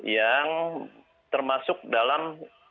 yang termasuk dalam